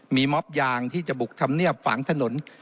มีม็อบยางที่จะบุกธรรมเนียบฝังถนน